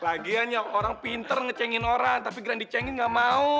lagian yang orang pinter ngecengin orang tapi grandicengin gak mau